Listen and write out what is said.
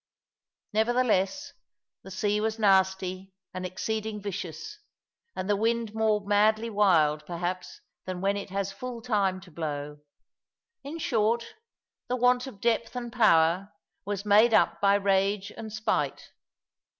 Nevertheless the sea was nasty and exceeding vicious; and the wind more madly wild, perhaps, than when it has full time to blow; in short, the want of depth and power was made up by rage and spite.